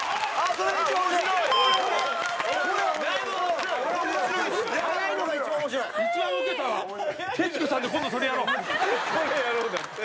「それやろう」だって。